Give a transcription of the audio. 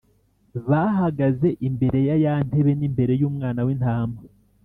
bahagaze imbere ya ya ntebe n’imbere y’Umwana w’Intama,